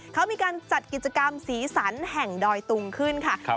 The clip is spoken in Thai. เขามีการจัดกิจกรรมสีสันแห่งดอยตุงขึ้นค่ะ